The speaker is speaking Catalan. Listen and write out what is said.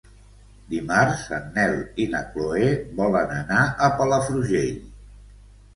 Dimarts en Nel i na Chloé volen anar a Palafrugell.